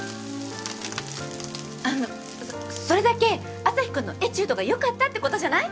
あのそそれだけアサヒくんのエチュードが良かったって事じゃない？